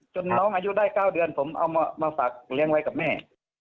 น้องอายุได้๙เดือนผมเอามาฝากเลี้ยงไว้กับแม่